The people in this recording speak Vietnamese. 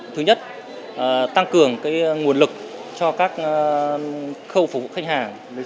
thứ nhất tăng cường nguồn lực cho các khâu phục vụ khách hàng